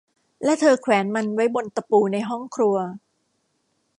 และเธอแขวนมันไว้บนตะปูในห้องครัว